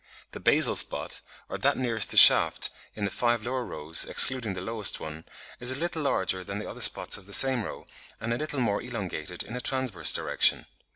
The basal spot, or that nearest the shaft, in the five lower rows (excluding the lowest one) is a little larger than the other spots of the same row, and a little more elongated in a transverse direction.